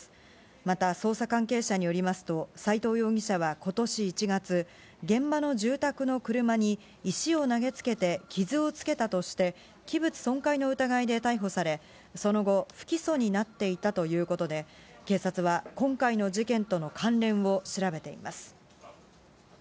また、捜査関係者によりますと、斎藤容疑者はことし１月、現場の住宅の車に石を投げつけて、傷をつけたとして、器物損壊の疑いで逮捕され、その後、不起訴になっていたということで、警察は今回の事件との関連を調べています。